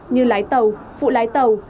như lái tàu phụ lái tàu